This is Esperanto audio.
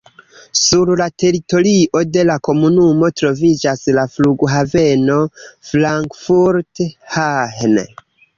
Sur la teritorio de la komunumo troviĝas la flughaveno Frankfurt-Hahn.